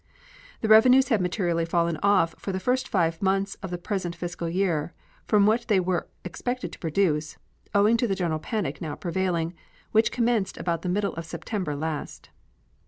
The revenues have materially fallen off for the first five months of the present fiscal year from what they were expected to produce, owing to the general panic now prevailing, which commenced about the middle of September last.